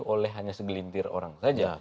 oleh hanya segelintir orang saja